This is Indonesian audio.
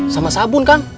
sama sabun kan